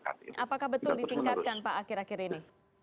apakah betul ditingkatkan pak akhir akhir ini